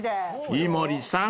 ［井森さん